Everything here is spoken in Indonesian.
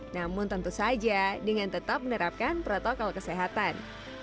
namun tentu saja dengan tetap menerapkan protokol kesehatan